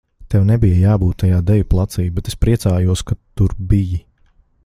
Tev nebija jābūt tajā deju placī, bet es priecājos, ka tur biji.